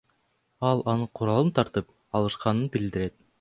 Ал анын куралын тартып алышканын билдирет.